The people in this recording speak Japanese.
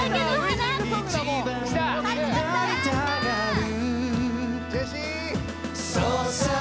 なりたがる？